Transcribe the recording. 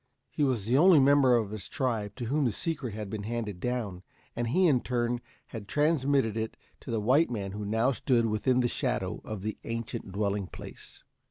He was the only member of his tribe to whom the secret had been handed down, and he in turn had transmitted it to the white man who now stood within the shadow of the ancient dwelling place.